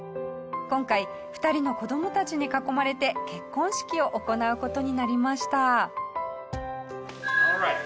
今回２人の子供たちに囲まれて結婚式を行う事になりました。